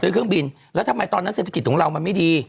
เครื่องบินแล้วทำไมตอนนั้นเศรษฐกิจของเรามันไม่ดี